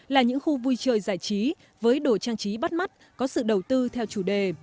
là những khu vui chơi giải trí với đồ trang trí bắt mắt có sự đầu tư theo chủ đề